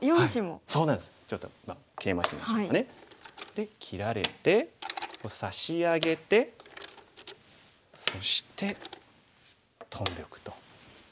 で切られて差し上げてそしてトンでおくと。